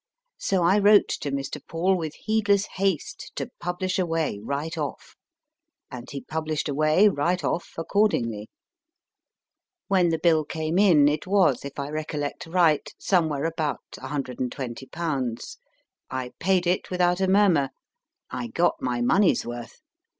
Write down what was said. So I wrote to Mr. Paul with heedless haste to publish away right off, and he published away right off accord ingly. When the bill came in, it was, if I recollect aright, somewhere about 12O/. I paid it without a mur mur ; I got my money s worth.